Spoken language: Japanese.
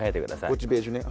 こっちベージュね。